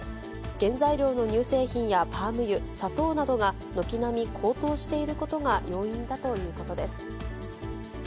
原材料の乳製品やパーム油、砂糖などが軒並み高騰していることが要因だということです。